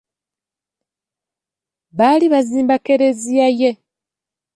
Baali bazimba Klezia ye.